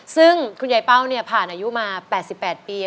ซึ่งคุณยายเป้าเนี่ยผ่านอายุมา๘๘ปี